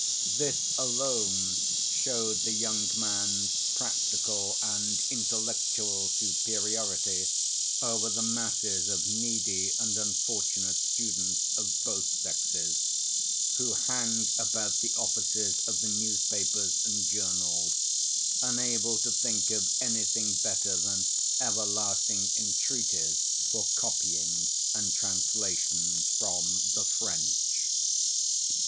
This alone showed the young man's practical and intellectual superiority over the masses of needy and unfortunate students of both sexes who hang about the offices of the newspapers and journals, unable to think of anything better than everlasting entreaties for copying and translations from the French.